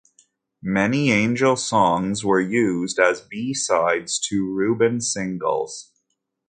Many Angel songs were used as b-sides to Reuben singles.